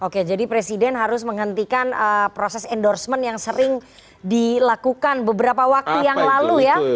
oke jadi presiden harus menghentikan proses endorsement yang sering dilakukan beberapa waktu yang lalu ya